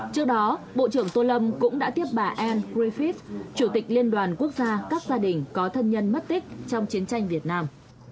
trước đó bộ trưởng tô lâm cũng đã tiếp bà an grefith chủ tịch liên đoàn quốc gia các gia đình có thân nhân mất tích trong chiến tranh việt nam